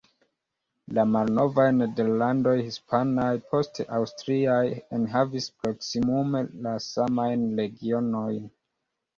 La malnovaj Nederlandoj hispanaj, poste aŭstriaj enhavis proksimume la samajn regionojn.